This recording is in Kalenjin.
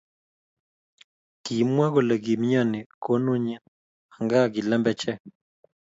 Kimwa kole kimyani konunyi angaa ki lembechek